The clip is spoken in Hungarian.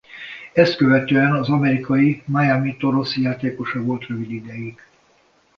Ezt követően az amerikai Miami Toros játékosa volt rövid ideig.